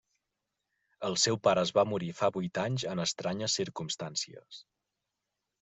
El seu pare es va morir fa vuit anys en estranyes circumstàncies.